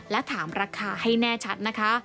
และถามราคาให้แน่ชัดนะคะ